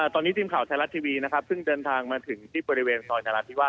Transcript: ตอนนี้จีมข่าวแทนรัสทรีวีเพิ่งเดินทางมาถึงที่บริเวณซอยธรรมดาที่ว่า๑๘